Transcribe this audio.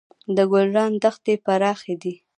د ګلران دښتې پراخې دي